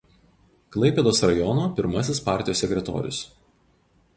Klaipėdos rajono pirmasis partijos sekretorius.